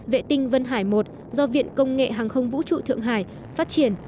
vệ tinh vân hải một do viện công nghệ hàng không vũ trụ thượng hải phát triển